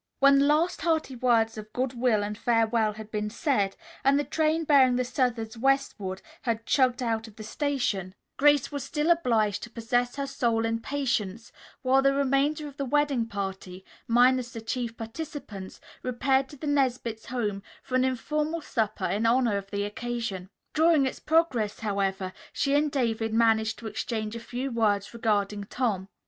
When the last hearty words of good will and farewell had been said and the train bearing the Southards westward had chugged out of the station, Grace was still obliged to possess her soul in patience while the remainder of the wedding party, minus the chief participants, repaired to the Nesbits' home for an informal supper in honor of the occasion. During its progress, however, she and David managed to exchange a few words regarding Tom.